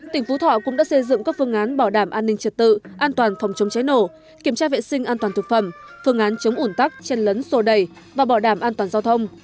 tỉnh phú thọ cũng đã xây dựng các phương án bảo đảm an ninh trật tự an toàn phòng chống cháy nổ kiểm tra vệ sinh an toàn thực phẩm phương án chống ủn tắc chen lấn sô đầy và bảo đảm an toàn giao thông